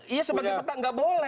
iya sebagai peta nggak boleh